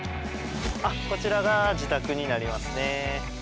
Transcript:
こちらが自宅になりますね。